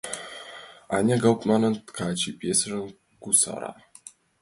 Аня Гауптманын «Ткачи» пьесыжым кусара.